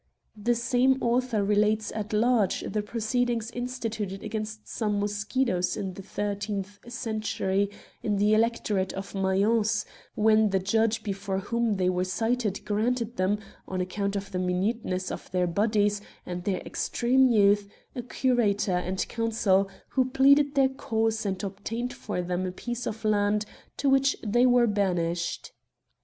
The same author relates at large the proceedings instituted against some mosquitoes in the thirteenth century in the Electorate of Mayence, when the judge before whom they were cited granted them, on account of the minuteness of their bodies and their extreme youth, a curator and counsel, who pleaded their cause and obtained for them a piece of land to which they were banished.